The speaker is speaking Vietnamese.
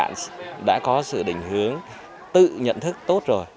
bản thân các bạn đã có sự định hướng tự nhận thức tốt rồi